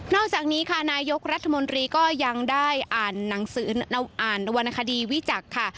นอกจากนี้ค่ะนายยกรัฐมนตรีก็ยังได้อ่านวรรณคดีวิจักษ์ค่ะ